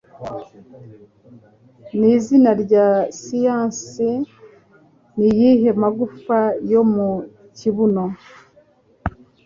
Nizina rya siyansi niyihe magufa yo mu kibuno